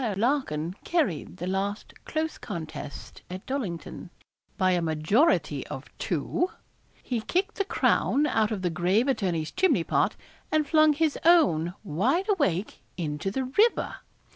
Larkin carried the last close contest at Dollington, by a majority of two, he kicked the crown out of the grave attorney's chimney pot, and flung his own wide awake into the river.